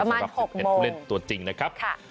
ประมาณ๖โมงสำหรับผู้เล่นตัวจริงนะครับ